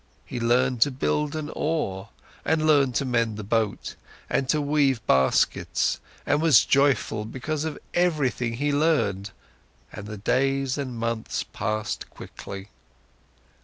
He learned to build an oar, and learned to mend the boat, and to weave baskets, and was joyful because of everything he learned, and the days and months passed quickly.